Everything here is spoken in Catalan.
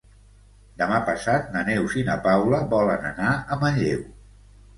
Demà passat na Neus i na Paula volen anar a Manlleu.